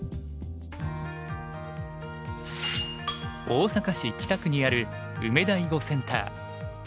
大阪市北区にある梅田囲碁センター。